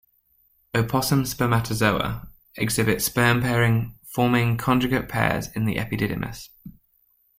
Opossum spermatozoa exhibit sperm-pairing, forming conjugate pairs in the epididymis.